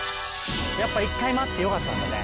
やっぱ一回待ってよかったんだね。